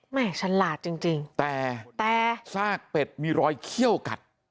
แม่ฉลาดจริงแต่ซากเป็ดมีรอยเคี้ยวกัด